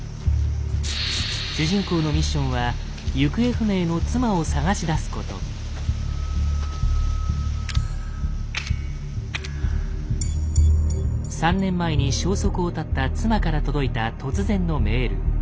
主人公のミッションは３年前に消息を絶った妻から届いた突然のメール。